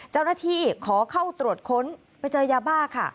เจ้าหน้าที่ขอเข้าตรวจค้นไปเจอยาบ้าค่ะ